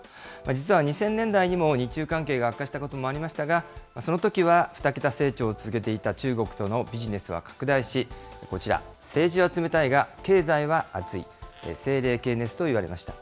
実は２０００年代にも、日中関係が悪化したこともありましたが、そのときは２桁成長を続けていた中国とのビジネスは拡大し、こちら、政治は冷たいが経済は熱い、政冷経熱といわれました。